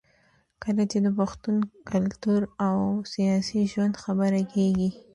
کله چې د پښتون کلتور او سياسي ژوند خبره کېږي